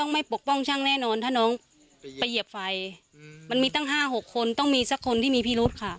ไปเหยียบไฟมันมีตั้ง๕๖คนต้องมีสักคนที่มีพิรุษค่ะ